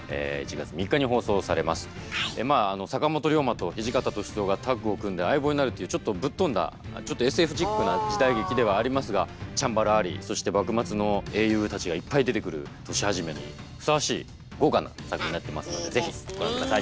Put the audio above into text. まあ坂本龍馬と土方歳三がタッグを組んで相棒になるというちょっとぶっ飛んだちょっとＳＦチックな時代劇ではありますがチャンバラありそして幕末の英雄たちがいっぱい出てくる年始めにふさわしい豪華な作品になってますので是非ご覧下さい。